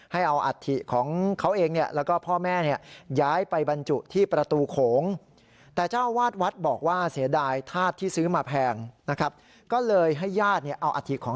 ให้เอาอัตถิของเขาเองแล้วก็พ่อแม่ย้ายไปบรรจุที่ประตูโขง